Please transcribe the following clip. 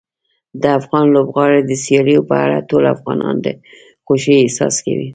د افغان لوبغاړو د سیالیو په اړه ټول افغانان د خوښۍ احساس کوي.